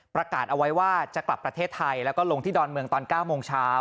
ประกาศเอาไว้ว่าจะกลับประเทศไทยแล้วก็ลงที่ดอนเมืองตอน๙โมงเช้า